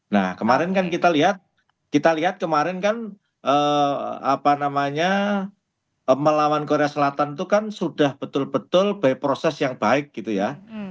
nah kemarin kan kita lihat kita lihat kemarin kan apa namanya melawan korea selatan itu kan sudah betul betul by process yang baik gitu ya